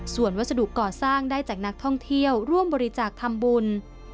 ส่วนวัสดุก่อสร้างได้จากนักท่องเที่ยวร่วมบริจาคทำบุญ